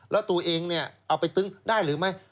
แล้วตัวเองเนี่ยเอาไปตึ้งได้หรือไม่